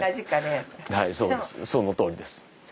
はいそのとおりです。